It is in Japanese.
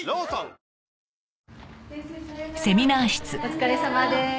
お疲れさまです。